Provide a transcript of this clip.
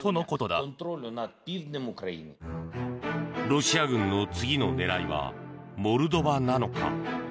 ロシア軍の次の狙いはモルドバなのか。